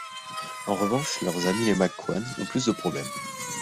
En revanche, leurs amis, les McCuan, ont plus de problèmes.